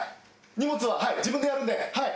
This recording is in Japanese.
荷物は自分でやるんではい。